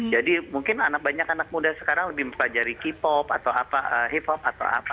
jadi mungkin banyak anak anak muda sekarang lebih mempelajari k pop atau hip hop atau apa